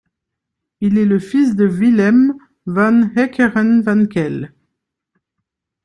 Il est le fils de Willem van Heeckeren van Kell.